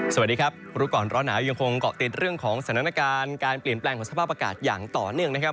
สวัสดีครับรู้ก่อนร้อนหนาวยังคงเกาะติดเรื่องของสถานการณ์การเปลี่ยนแปลงของสภาพอากาศอย่างต่อเนื่องนะครับ